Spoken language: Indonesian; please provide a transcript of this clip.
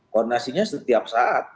koordinasinya setiap saat